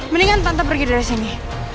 mendingan tante pergi dari sini